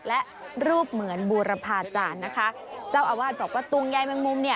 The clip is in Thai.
และรูปเหมือนบูรพาจารย์นะคะเจ้าอาวาสบอกว่าตุงยายแมงมุมเนี่ย